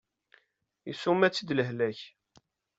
Isuma-tt-id lehlak.